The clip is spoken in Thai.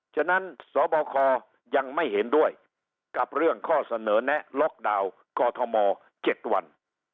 ฉะนั้นสบคยังไม่เห็นด้วยกับเรื่องข้อเสนอแนะล็อกดาวน์กอทม๗วัน